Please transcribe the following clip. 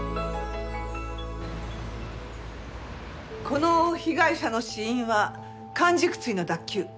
この被害者の死因は環軸椎の脱臼。